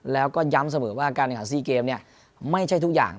แล้วก็ย้ำเสมอว่าการการซีเกมไม่ใช่ทุกอย่าง